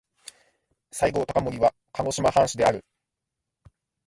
西郷隆盛は鹿児島藩士である。